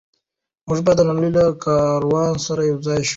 موږ باید د نړۍ له کاروان سره یوځای شو.